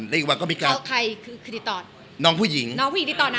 เค้าใครคือติดต่อ